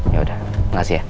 ya udah makasih ya